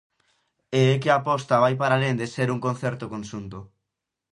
E é que a aposta vai para alén de ser un concerto conxunto.